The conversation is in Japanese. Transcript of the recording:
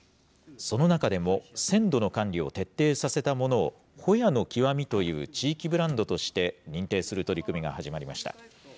その中でも、鮮度の管理を徹底させたものをほやの極みという地域ブランドとして認定する取り組みが始まりました。